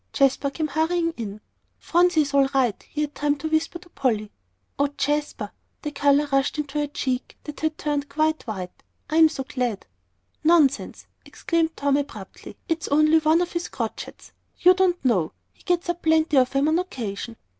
Jasper came hurrying in. "Phronsie is all right," he had time to whisper to Polly. "Oh, Jasper!" the colour rushed into her cheek that had turned quite white. "I am so glad." "Nonsense!" exclaimed Tom, abruptly. "It's only one of his crotchets. You don't know; he gets up plenty of 'em on occasion."